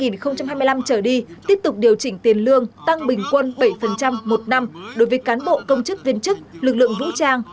năm hai nghìn hai mươi năm trở đi tiếp tục điều chỉnh tiền lương tăng bình quân bảy một năm đối với cán bộ công chức viên chức lực lượng vũ trang